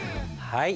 はい。